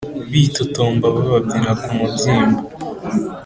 Bitotomba bababyina ku mubyimba